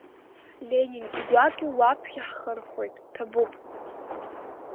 Ленин, игәакьоу, уаԥхьа ҳхырхуоит, ҭабуп!